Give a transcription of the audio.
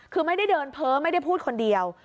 คือไม่ได้เดินเพ้อไม่ได้พูดคนเดียว